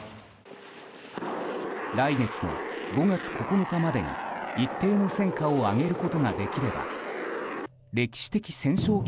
来月の５月９日までに一定の戦果を挙げることができれば歴史的戦勝